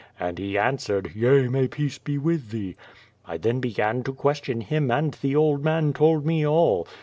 and he answered: 'Yea, may peace be with thee.' I then began to question him and the old man told me all.